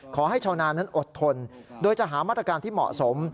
ชาวนานั้นอดทนโดยจะหามาตรการที่เหมาะสม